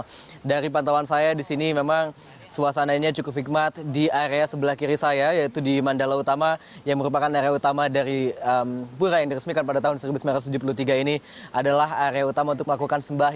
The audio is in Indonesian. kalau dari pantauan saya di sini memang suasananya cukup hikmat di area sebelah kiri saya yaitu di mandala utama yang merupakan area utama dari pura yang diresmikan pada tahun seribu sembilan ratus tujuh puluh tiga ini adalah area utama untuk melakukan sembah